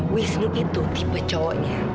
wismu itu tipe cowoknya